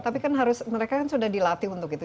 tapi kan harus mereka kan sudah dilatih untuk itu